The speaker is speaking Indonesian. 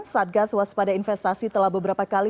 satgas waspada investasi telah beberapa kali